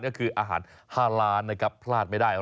ก็คืออาหาร๕ล้านนะครับพลาดไม่ได้